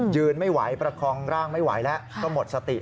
ยืนไม่ไหวประคองร่างไม่ไหวแล้วก็หมดสติ